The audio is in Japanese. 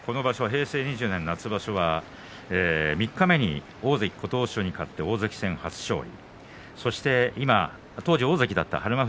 平成２０年夏場所は三日目に大関琴欧洲に勝って大関初挑戦そして大関だった日馬